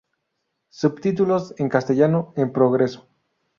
Subtítulos en castellano en progreso.